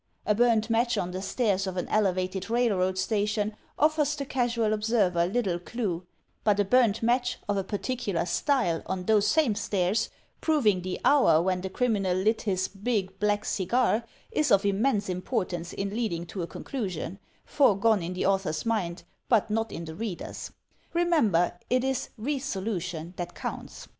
A burnt match on the stairs of an elevated railroad station oflFers the casual observer little clue; but a burnt match of a particular style, on those same stairs, proving the hour when the criminal lit his "big black cigar," is of im mense importance in leading to a conclusion, foregone in the author's mind but not in the reader's. Remember, it is re solution that counts.